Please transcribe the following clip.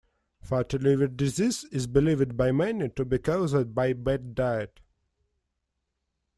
Fatty liver disease is believed by many to be caused by bad diet.